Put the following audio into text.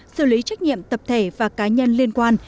xử lý trách nhiệm tập thể và cá nhân liên quan